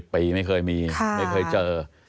ปีไม่เคยมีไม่เคยเจอ